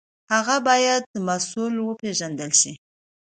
هغه باید مسوول وپېژندل شي.